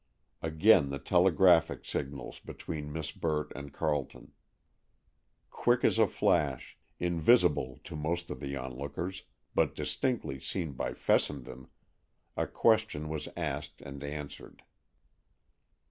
Again the telegraphic signals between Miss Burt and Carleton. Quick as a flash—invisible to most of the onlookers, but distinctly seen by Fessenden—a question was asked and answered.